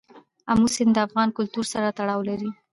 آمو سیند د افغان کلتور سره تړاو لري.